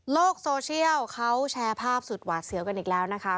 โลกโซเชียลเขาแชร์ภาพสุดหวาดเสียวกันอีกแล้วนะคะ